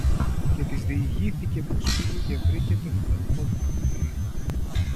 Και της διηγήθηκε πως πήγε και βρήκε τον αδελφό του Κακομοιρίδη